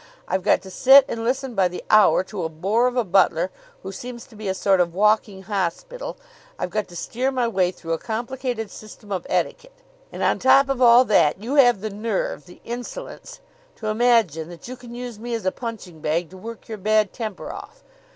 I've got to sit and listen by the hour to a bore of a butler who seems to be a sort of walking hospital. I've got to steer my way through a complicated system of etiquette. "And on top of all that you have the nerve, the insolence, to imagine that you can use me as a punching bag to work your bad temper off!